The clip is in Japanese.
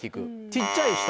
小っちゃい人。